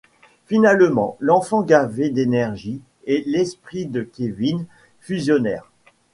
Finalement, l'enfant gavé d'énergie et l'esprit de Kevin fusionnèrent.